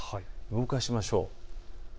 動かしましょう。